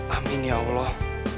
amin ya allah